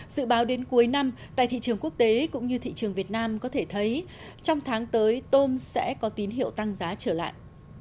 dự báo đến cuối năm tại thị trường quốc tế cũng như thị trường việt nam có thể thấy trong tháng tới tôm sẽ có tín hiệu tăng giá trở lại